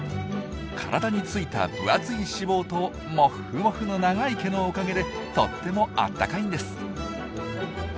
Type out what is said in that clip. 体についた分厚い脂肪とモッフモフの長い毛のおかげでとってもあったかいんです。